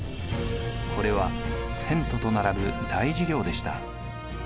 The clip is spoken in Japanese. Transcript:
これは遷都と並ぶ大事業でした。